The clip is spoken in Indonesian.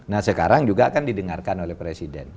nah sekarang juga akan didengarkan oleh presiden